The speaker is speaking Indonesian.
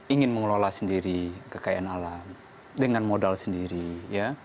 ingin mengelola sendiri kekayaan alam dengan modal sendiri ya